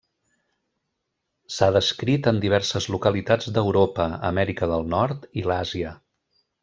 S'ha descrit en diverses localitats d'Europa, Amèrica del Nord i l'Àsia.